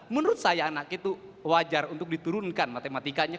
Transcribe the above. menurut saya anak itu wajar untuk diturunkan matematikanya